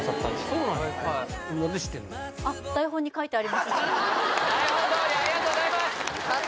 そうなんや台本どおりありがとうございます